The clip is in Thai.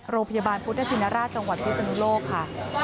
โรงพยาบาลพุทธชินราชจังหวัดพิศนุโลกค่ะ